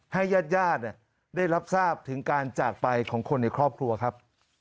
ญาติญาติได้รับทราบถึงการจากไปของคนในครอบครัวครับ